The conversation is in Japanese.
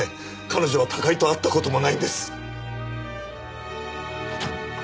彼女は高井と会った事もないんです。